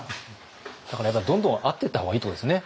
だからやっぱどんどん会っていった方がいいってことですね